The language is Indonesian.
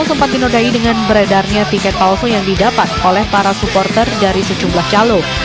sempat dinodai dengan beredarnya tiket palsu yang didapat oleh para supporter dari sejumlah calon